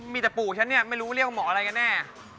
มีแต่ปู่ฉันเนี่ยไม่รู้เรียกว่าหมออะไรกันแน่